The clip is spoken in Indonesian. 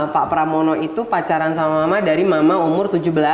pak pramono itu pacaran sama mama dari mama umur tujuh belas